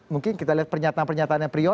mungkin kita lihat pernyataan pernyataannya priyo